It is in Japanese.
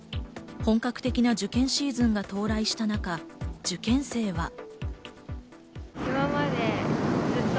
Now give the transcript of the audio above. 本格的な受験シーズンが到来したのか、受験生は。